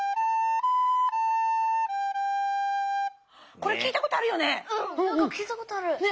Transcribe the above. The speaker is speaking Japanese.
これきいたことあるよね。